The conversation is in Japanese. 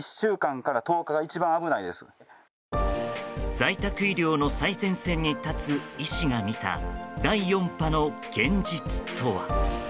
在宅医療の最前線に立つ医師が見た、第４波の現実とは。